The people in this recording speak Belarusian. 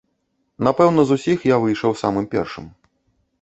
Напэўна, з усіх я выйшаў самым першым.